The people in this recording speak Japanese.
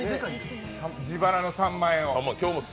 自腹の３万円を。